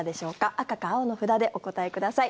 赤か青の札でお答えください。